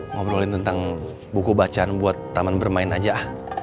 ngobrolin tentang buku bacaan buat taman bermain aja